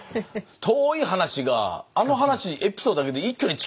遠い話があの話エピソードだけで一挙に近づきましたんで。